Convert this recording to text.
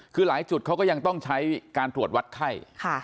คือหลายจุดเขาก็ยังต้องใช้การตรวจวัดไข้